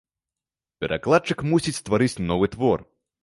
Перакладчык мусіць стварыць новы твор.